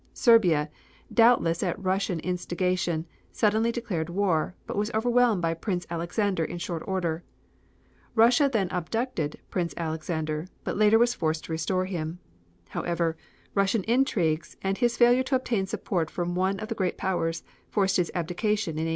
Serbia, doubtless at Russian instigation, suddenly declared war, but was overwhelmed by Prince Alexander in short order. Russia then abducted Prince Alexander, but later was forced to restore him. However, Russian intrigues, and his failure to obtain support from one of the great powers, forced his abdication in 1886.